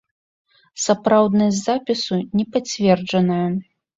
Сапраўднасць запісу не пацверджаная.